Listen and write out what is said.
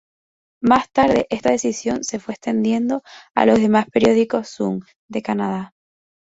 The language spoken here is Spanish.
Más tarde, esta decisión se fue extendiendo a los demás periódicos "Sun" de Canadá.